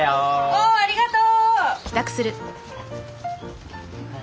おありがとう。